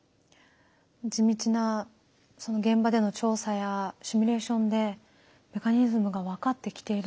地道なその現場での調査やシミュレーションでメカニズムが分かってきているんですね。